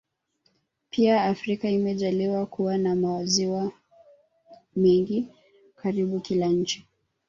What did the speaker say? Pia Afrika imejaliwa kuwa na maziwa mengi karibu kila nchi